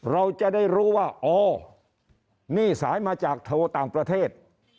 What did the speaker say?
เราจะได้รู้ว่าอ๋อนี่สายมาจากโทรต่างประเทศ